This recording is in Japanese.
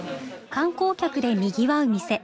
観光客でにぎわう店。